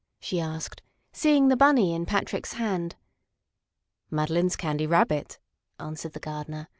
she asked, seeing the Bunny in Patrick's hand. "Madeline's Candy Rabbit," answered the gardener.